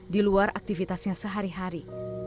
di luar aktivitasnya sehari hari